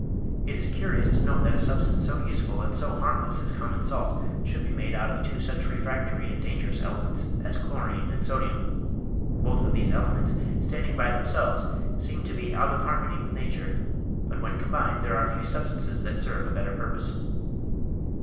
It is curious to note that a substance so useful and so harmless as common salt should be made out of two such refractory and dangerous elements as chlorine and sodium. Both of these elements, standing by themselves, seem to be out of harmony with nature, but when combined there are few substances that serve a better purpose.